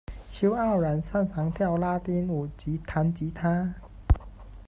邱傲然，擅长跳拉丁舞及弹结他。